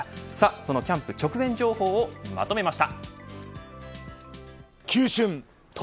そのキャンプ直前情報をまとめました。